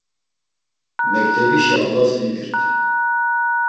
Mektebişi avlas vibirt.